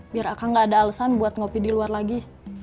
biar akan gak ada alasan buat ngopi di luar lagi